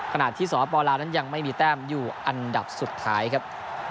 ขณะที่สปลาวนั้นยังไม่มีแต้มอยู่อันดับสุดท้ายครับ